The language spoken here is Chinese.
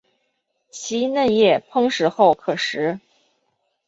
其嫩叶烹饪后可食。